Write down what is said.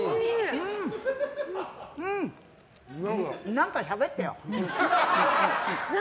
何かしゃべってよ！